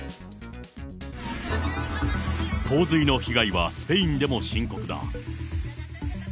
洪水の被害はスペインでも深刻だ。